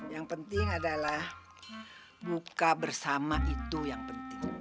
yang penting adalah buka bersama itu yang penting